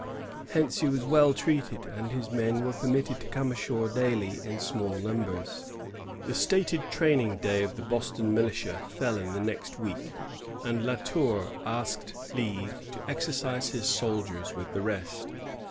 Hence he was well treated, and his men were permitted to come ashore daily in small numbers. 26 LA TOUR AND THE PURITANS. [1643, The stated training day of the Boston militia fell in the next week, and La Tour asked leave to exer cise his soldiers with the rest.